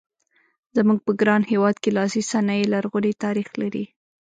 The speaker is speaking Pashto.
زموږ په ګران هېواد کې لاسي صنایع لرغونی تاریخ لري.